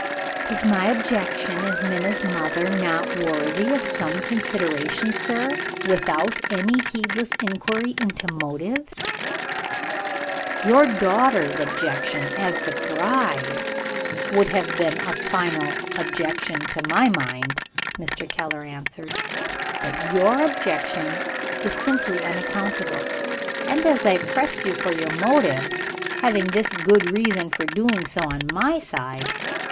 "Is my objection, as Minna's mother, not worthy of some consideration, sir, without any needless inquiry into motives?" "Your daughter's objection as the bride would have been a final objection, to my mind," Mr. Keller answered. "But your objection is simply unaccountable; and I press you for your motives, having this good reason for doing so on my side.